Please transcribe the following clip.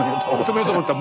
止めようと思った。